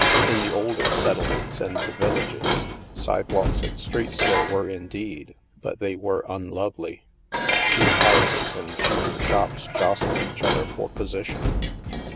In the older set tlements and the villages, sidewalks and streets there were indeed, but they were unlovely. Cheap houses and cheaper shops jostled each other for position.